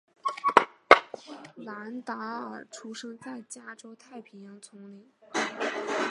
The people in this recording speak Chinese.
兰达尔出生在加州太平洋丛林。